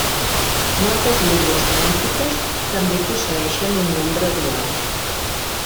Moltes llengües semítiques també posseeixen un nombre dual.